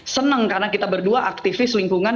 senang karena kita berdua aktivis lingkungan